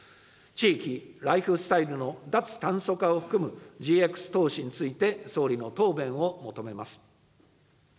地域・ライフスタイルの脱炭素化を含むＧＸ投資について、総理の答弁を求めます。